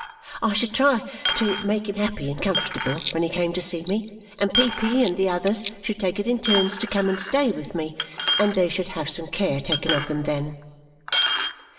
I should try to make him happy and comfortable when he came to see me, and Peepy and the others should take it in turns to come and stay with me, and they should have some care taken of them then."